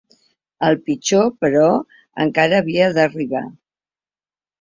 El pitjor, però, encara havia d’arribar.